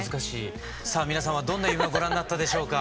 さあ皆さんはどんな夢をご覧になったでしょうか？